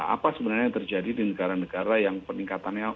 apa sebenarnya yang terjadi di negara negara yang peningkatannya